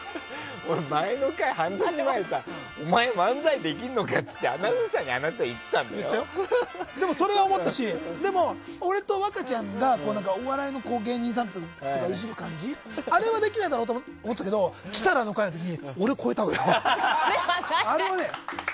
前の回、半年前さお前、漫才できんのかってアナウンサーにでも、それは思ったしでも、俺と若ちゃんがお笑いの芸人さんとかをイジる感じはあれはできないだろうと思ってたけどキサラの会の時俺、超えたわ。